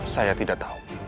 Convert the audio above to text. saya tidak tahu